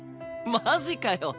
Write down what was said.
マジかよ。